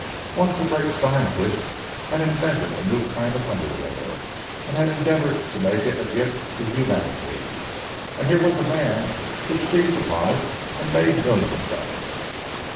'Once a great scientist had invented a new kind of underwear, and had endeavoured to make it a gift to humanity; and here was a man who had seized upon it and made millions out of it!